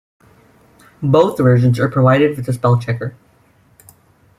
Both versions are provided with a spell checker.